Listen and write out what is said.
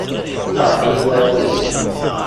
Iqṛeḥ-iyi weɛrur-iw.